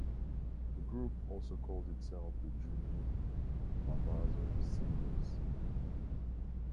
The group also calls itself the Junior Mambazo Singers.